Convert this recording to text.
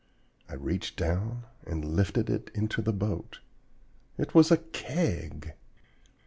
I reached down and lifted it into the boat. It was a Keg!